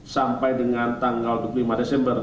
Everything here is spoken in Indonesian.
sampai dengan tanggal dua puluh lima desember dua ribu dua puluh